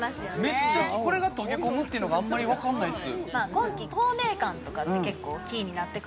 めっちゃこれが溶け込むっていうのがあんまりわかんないっす